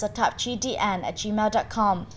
at tạp chí dn at gmail com